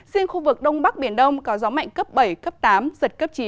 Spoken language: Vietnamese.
riêng khu vực đông bắc biển đông có gió mạnh cấp bảy cấp tám giật cấp chín